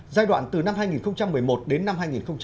giai đoạn từ năm hai nghìn một mươi một đến năm hai nghìn hai mươi